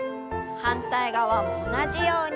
反対側も同じように。